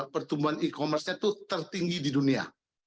pertumbuhan e commerce nya itu tertinggi di dunia